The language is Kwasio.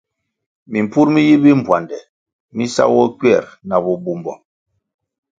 Mimpur mi yi bimbpuande mi sawoh kuer na bo bumbo.